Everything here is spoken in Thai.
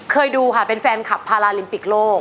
เคยดูค่ะเป็นแฟนคลับพาราลิมปิกโลก